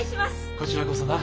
こちらこそな。